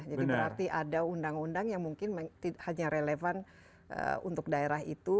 jadi berarti ada undang undang yang mungkin hanya relevan untuk daerah itu